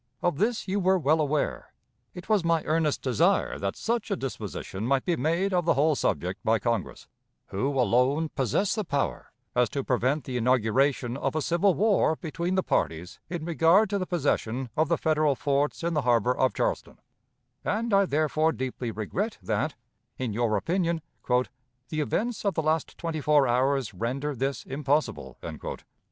Of this you were well aware. It was my earnest desire that such a disposition might be made of the whole subject by Congress, who alone possess the power, as to prevent the inauguration of a civil war between the parties in regard to the possession of the Federal forts in the harbor of Charleston; and I therefore deeply regret that, in your opinion, "the events of the last twenty four hours render this impossible."